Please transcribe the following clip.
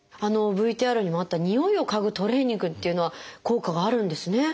ＶＴＲにもあったにおいを嗅ぐトレーニングというのは効果があるんですね。